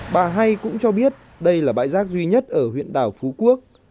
bà hay cũng cho biết đây là bãi rác duy nhất ở huyện đảo phú quốc